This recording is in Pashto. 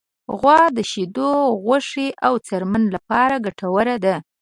غوا د شیدو، غوښې، او څرمن لپاره ګټوره ده.